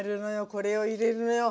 これを入れるのよ。